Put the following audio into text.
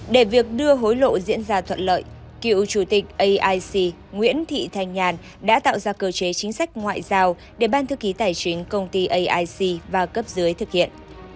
để việc đưa hối lộ diễn ra thuận lợi cựu chủ tịch aic nguyễn thị thanh nhàn đã tạo ra cơ chế chính sách ngoại giao để ban thư ký tài chính công ty aic và cấp dưới thực hiện